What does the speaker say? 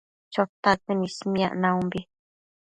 Chotaquën ismiac niombi